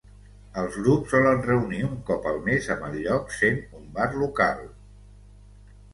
Els grups solen reunir un cop al mes amb el lloc sent un bar local.